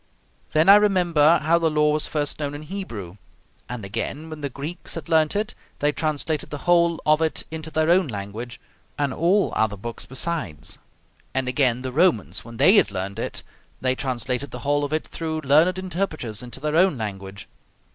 Then I remember how the law was first known in Hebrew, and again, when the Greeks had learnt it, they translated the whole of it into their own language, and all other books besides. And again, the Romans, when they had learnt it, they translated the whole of it through learned interpreters into their own language.